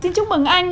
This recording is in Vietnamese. xin chúc mừng anh